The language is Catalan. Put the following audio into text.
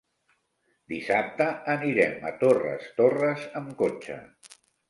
Dissabte anirem a Torres Torres amb cotxe.